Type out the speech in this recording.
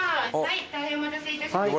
大変お待たせ致しました。